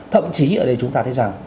thậm chí ở đây chúng ta thấy rằng